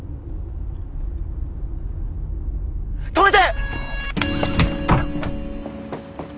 止めて！